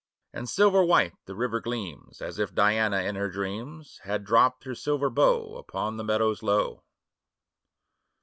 5 And silver white the river gleams, As if Diana, in her dreams, • Had dropt her silver bow Upon the meadows low.